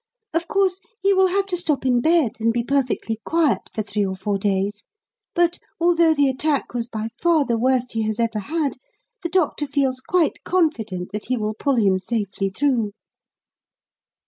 Of course, he will have to stop in bed and be perfectly quiet for three or four days; but, although the attack was by far the worst he has ever had, the doctor feels quite confident that he will pull him safely through."